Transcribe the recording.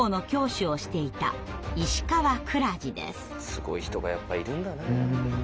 すごい人がやっぱりいるんだね。